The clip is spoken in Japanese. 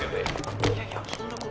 「いやいやそんなことは」